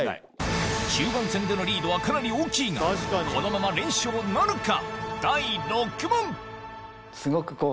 中盤戦でのリードはかなり大きいがこのまま連勝なるか？